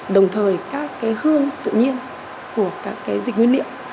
đồng thời các hương tự nhiên của các dịch nguyên liệu